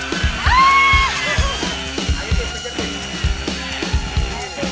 bisa dibilang lebih ke arah perbaikan